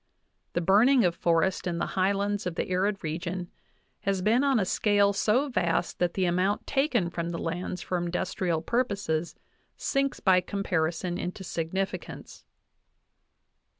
| The burning of forests in the high lands of the arid region has been on a "scale so vast that the amount taken from the lands for industrial purposes sinks by comparison into insignificance" (15).